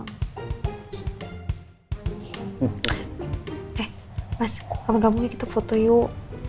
eh mas kamu gak mau kita foto yuk